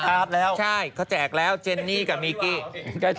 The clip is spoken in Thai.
เขาแจกการ์กแล้วเจนนี่กับมีกี้